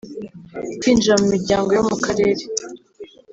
kwinjira mu Miryango yo mu Karere